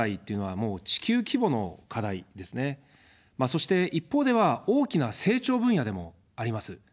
そして、一方では大きな成長分野でもあります。